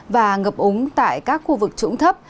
và ngập úng tại các khu vực trũng thấp